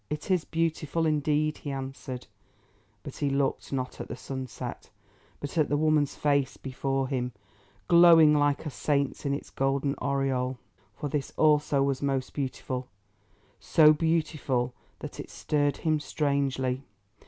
"It is beautiful indeed!" he answered, but he looked, not at the sunset, but at the woman's face before him, glowing like a saint's in its golden aureole. For this also was most beautiful—so beautiful that it stirred him strangely.